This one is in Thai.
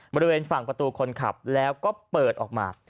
บริเวณฝั่งประตูคนขับแล้วก็เปิดออกมา